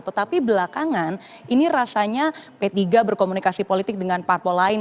tetapi belakangan ini rasanya p tiga berkomunikasi politik dengan parpol lain